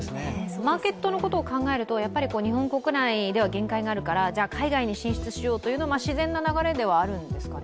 マーケットのことを考えると日本国内では限界があるからじゃあ、海外に進出しようっていうのは、自然な流れではあるんですかね。